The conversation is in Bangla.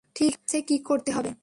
ঠিক আছে, কী করতে হবে।